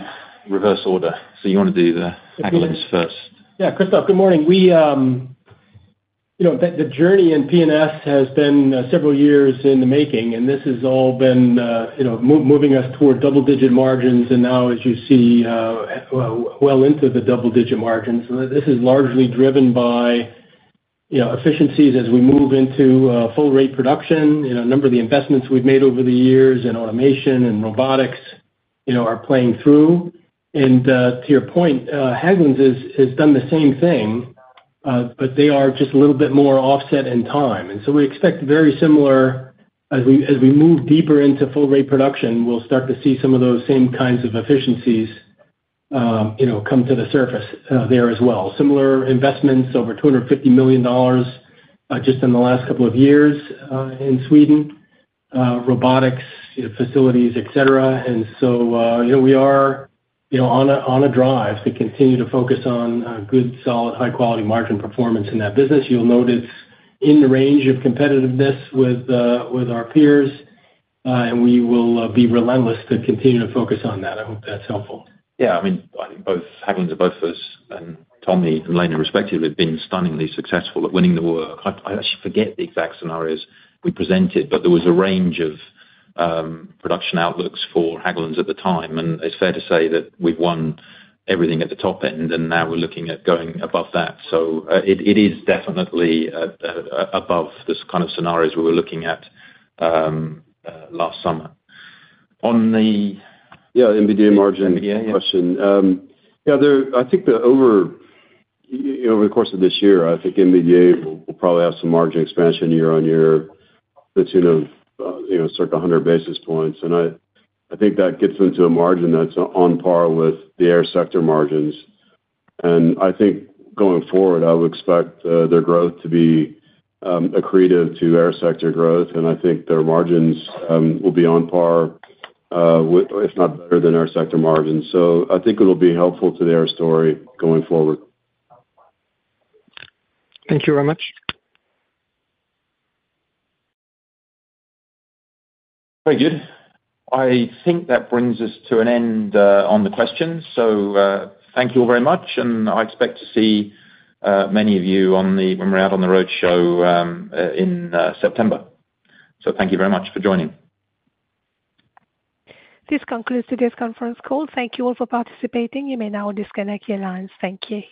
reverse order? You want to do the Hägglunds first? Yeah. Christopher, good morning. The journey in P&S has been several years in the making, and this has all been moving us toward double-digit margins. Now, as you see, well into the double-digit margins, this is largely driven by efficiencies as we move into full-rate production. A number of the investments we have made over the years in automation and robotics are playing through. To your point, Hägglunds has done the same thing, but they are just a little bit more offset in time. We expect very similar, as we move deeper into full-rate production, we will start to see some of those same kinds of efficiencies come to the surface there as well. Similar investments, over $250 million. Just in the last couple of years in Sweden. Robotics, facilities, etc. And we are on a drive to continue to focus on good, solid, high-quality margin performance in that business. You'll notice in the range of competitiveness with our peers. We will be relentless to continue to focus on that. I hope that's helpful. Yeah. I mean, I think both Hägglunds and Bofors, and Tom, in respect to it, have been stunningly successful at winning the war. I actually forget the exact scenarios we presented, but there was a range of production outlooks for Hägglunds at the time. It's fair to say that we've won everything at the top end, and now we're looking at going above that. It is definitely above the kind of scenarios we were looking at last summer. On the MBDA margin question. Yeah, I think over the course of this year, I think MBDA will probably have some margin expansion year on year, that's in a circa 100 basis points. I think that gets them to a margin that's on par with the air sector margins. Going forward, I would expect their growth to be accretive to air sector growth. I think their margins will be on par, if not better than air sector margins. I think it'll be helpful to their story going forward. Thank you very much. Very good. I think that brings us to an end on the questions. Thank you all very much. I expect to see many of you when we're out on the road show in September. Thank you very much for joining. This concludes today's conference call. Thank you all for participating. You may now disconnect your lines. Thank you.